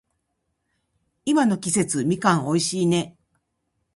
今の季節、みかん美味しいね。